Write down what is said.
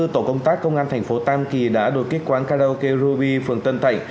tổ công tác công an tp tam kỳ đã đột kết quán karaoke ruby phường tân thạnh